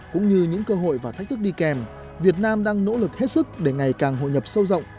cũng như những cơ hội và thách thức đi kèm việt nam đang nỗ lực hết sức để ngày càng hội nhập sâu rộng